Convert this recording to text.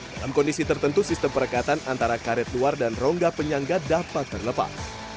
dalam kondisi tertentu sistem perekatan antara karet luar dan rongga penyangga dapat terlepas